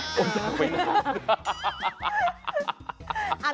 ผมจับไปนาน